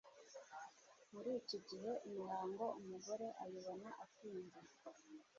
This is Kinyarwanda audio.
Muri iki gihe Imihango umugore ayibona atinze